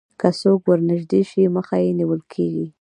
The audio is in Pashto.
که څوک ورنژدې شي مخه یې نیول کېږي